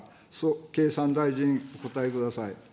経産大臣、お答えください。